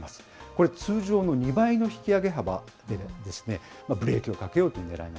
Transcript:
これ、通常の２倍の引き上げ幅で、ブレーキをかけようというねらい